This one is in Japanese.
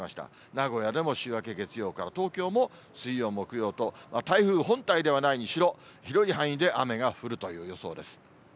名古屋でも週明け月曜から、東京も水曜、木曜と、台風本体ではないにしろ、広い範囲で雨が降るという予想です。